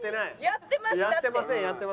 やってましたって。